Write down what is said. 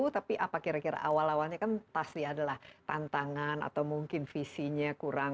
tapi apa kira kira awal awalnya kan pasti adalah tantangan atau mungkin visinya kurang